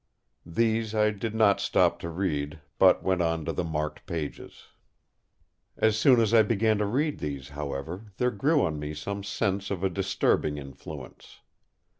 These I did not stop to read, but went on to the marked pages. As soon as I began to read these, however, there grew on me some sense of a disturbing influence.